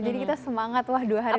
jadi kita semangat wah dua hari lagi